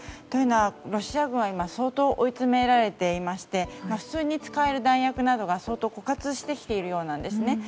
というのは、ロシア軍は今、相当追い詰められており普通に使える弾薬などが相当枯渇してきているようなんです。